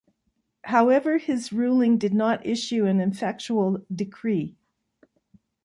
However, his ruling did not issue as an effectual decree.